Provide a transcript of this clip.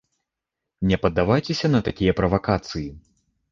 Не паддавайцеся на такія правакацыі.